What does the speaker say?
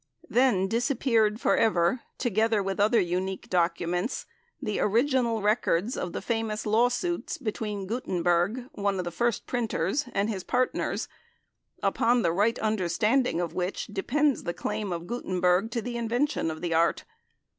Then disappeared for ever, together with other unique documents, the original records of the famous law suits between Gutenberg, one of the first Printers, and his partners, upon the right understanding of which depends the claim of Gutenberg to the invention of the Art.